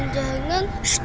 nanti aku akan kocok